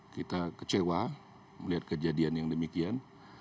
kita kecewa melihat kejadian yang demikian